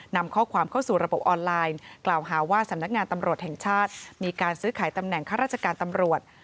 นำข้อความเข้าสู่ระบบออนไลน์กล่าวหาว่าสำนักงานตำรวจแห่งชาติมีการซื้อขายตำแหน่งข้าราชการตำรวจ